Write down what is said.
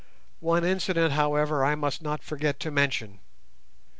One incident, however, I must not forget to mention.